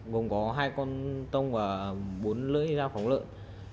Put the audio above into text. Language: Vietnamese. gồm có hai con tông và bốn lưỡi dao phóng lợn